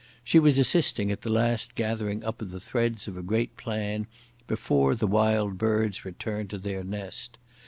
She was assisting at the last gathering up of the threads of a great plan, before the Wild Birds returned to their nest.